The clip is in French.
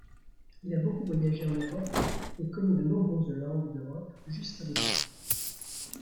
Il a beaucoup voyagé en Europe et connait de nombreuses langues d'Europe jusqu'à l'hébreu.